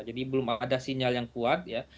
jadi belum ada sinyal yang kuat ya